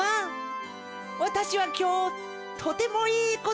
わたしはきょうとてもいいことをしました。